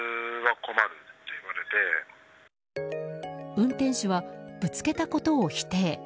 運転手はぶつけたことを否定。